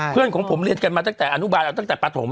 เพื่อนของผมเรียนกันมาตั้งแต่อนุบาลเอาตั้งแต่ปฐม